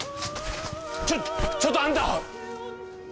ちょっとちょっとあんた。